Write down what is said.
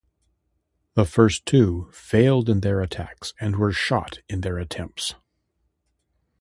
The first two failed in their attacks and were shot in their attempts.